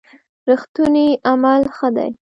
رښتوني عمل ښه دی.